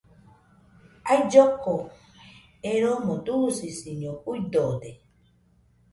Ailloko eromo dusisiño juidode